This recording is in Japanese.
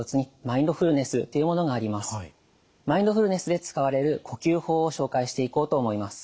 マインドフルネスで使われる呼吸法を紹介していこうと思います。